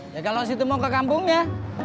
ya kalau situ mau ke kampungnya